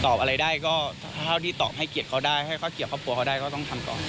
ตอบอะไรได้ก็เท่าที่ตอบให้เกลียดเขาได้ให้เขาเกลียดครอบครัวเขาได้ก็ต้องทำก่อน